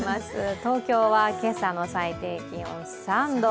東京の今朝の最低気温は３度。